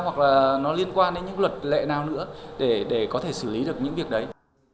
hoặc là nó liên quan đến những luật lệ nào nữa để có thể xử lý được những việc đấy